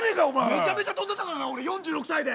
めちゃめちゃ跳んだんだからな４６歳で。